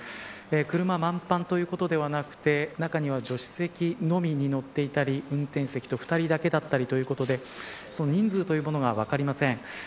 車はまんぱんということではなく中には助手席のみ乗っていたり運転席と２人だけだったりということで人数というものは分かりません。